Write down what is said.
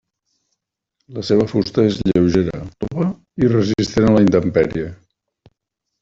La seva fusta és lleugera, tova i resistent a la intempèrie.